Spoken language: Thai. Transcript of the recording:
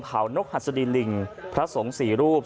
นกหัสดีลิงพระสงฆ์สี่รูป